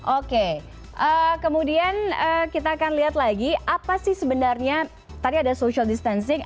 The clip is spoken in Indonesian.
oke kemudian kita akan lihat lagi apa sih sebenarnya tadi ada social distancing